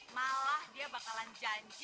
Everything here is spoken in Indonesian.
malah dia bakalan janji